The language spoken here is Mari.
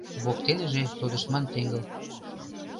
Воктеныже тодыштман теҥгыл.